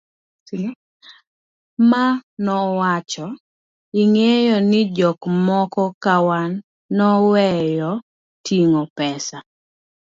ma owacho, ing'eyo ni jok moko ka wan ne waweyo ting'o pesa